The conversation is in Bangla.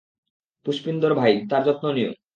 পুষ্পিন্দর ভাই, তার যত্ন নিও।